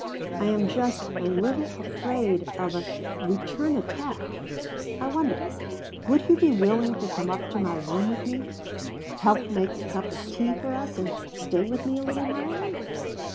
I am just a little afraid of a a return attack. I wonder would you be willing to come up to my room with me help make a cup of tea for us and stay with me a little while?"